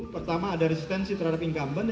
pertama ada resistensi terhadap incumbent